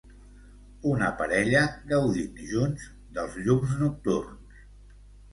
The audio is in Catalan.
Una parella gaudint junts dels llums nocturns.